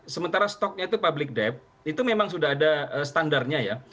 sementara stoknya itu public debt itu memang sudah ada standarnya ya